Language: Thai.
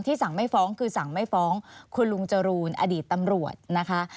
สั่งไม่ฟ้องคือสั่งไม่ฟ้องคุณลุงจรูนอดีตตำรวจนะคะ